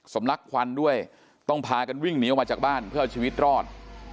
ลักควันด้วยต้องพากันวิ่งหนีออกมาจากบ้านเพื่อเอาชีวิตรอด